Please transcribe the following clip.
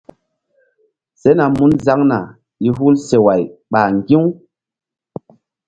Sena mun zaŋna i hul seway ɓ ŋgi̧-u.